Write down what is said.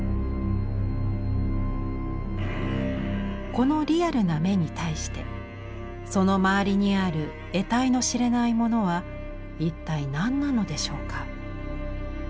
このリアルな眼に対してその周りにある得体の知れないものは一体何なのでしょうか。